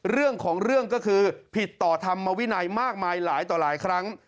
เรื่องของเรื่องก็คือผิดต่อธรรมวินัยมากมายหลายต่อหลายครั้ง